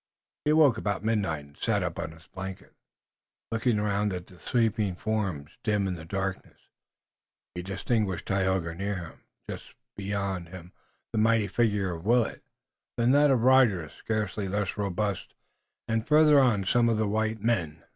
He awoke about midnight and sat up on his blanket, looking around at the sleeping forms, dim in the darkness. He distinguished Tayoga near him, just beyond him the mighty figure of Willet, then that of Rogers, scarcely less robust, and farther on some of the white men.